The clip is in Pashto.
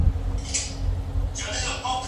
آیا اوبه تر تیلو ارزانه دي؟